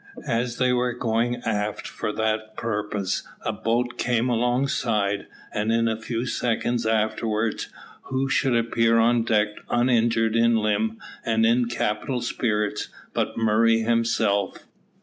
As they were going aft for that purpose, a boat came alongside, and in a few seconds afterwards, who should appear on deck uninjured in limb, and in capital spirits, but Murray himself.